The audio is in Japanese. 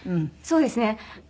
そうですね。